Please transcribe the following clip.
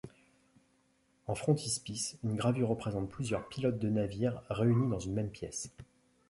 En frontispice, une gravure représente plusieurs pilotes de navires réunis dans une même pièce.